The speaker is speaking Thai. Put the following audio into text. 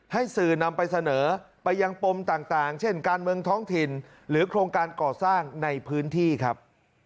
สื่อนำไปเสนอไปยังปมต่างเช่นการเมืองท้องถิ่นหรือโครงการก่อสร้างในพื้นที่ครับ